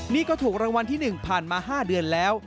นี่ก็ถูกรางวัลที่๑ผ่านมา๕เดือนแล้ว